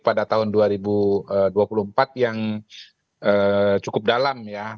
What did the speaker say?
pada tahun dua ribu dua puluh empat yang cukup dalam ya